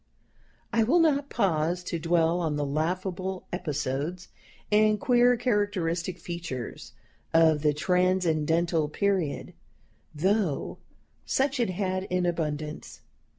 I will not pause to dwell on the laughable episodes and queer characteristic features of the Transcendental Period, though such it had in abundance.